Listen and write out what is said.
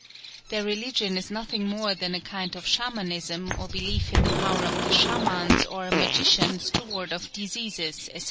_] Their religion is nothing more than a kind of Chamanism or belief in the power of the Chamans or magicians to ward off diseases, &c.